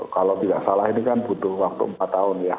kalau tidak salah ini kan butuh waktu empat tahun ya